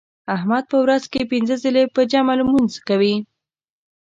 احمد په ورځ کې پینځه ځله په جمع لمونځ کوي.